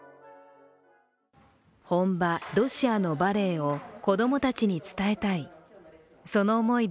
本場ロシアのバレエを子供たちに伝えたい。